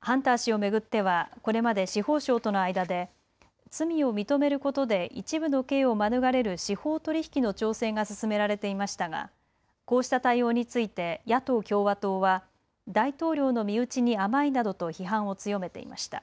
ハンター氏を巡ってはこれまで司法省との間で罪を認めることで一部の刑を免れる司法取引の調整が進められていましたがこうした対応について野党・共和党は大統領の身内に甘いなどと批判を強めていました。